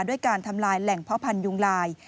ด้วยการทำลายแหล่งเพาะพันธุยุงลาย